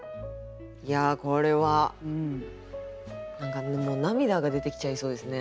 いやこれは何かもう涙が出てきちゃいそうですね。